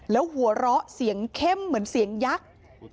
แล้วหัวเราะเสียงเข้มเหมือนเสียงยักษ์